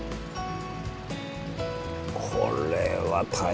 これは大変だ。